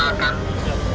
kamu jelaskan itu